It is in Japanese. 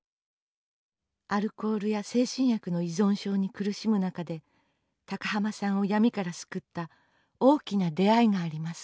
アルコールや精神薬の依存症に苦しむ中で高浜さんを闇から救った大きな出会いがあります。